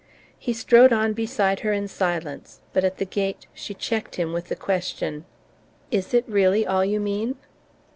He strode on beside her in silence, but at the gate she checked him with the question: "Is it really all you mean?"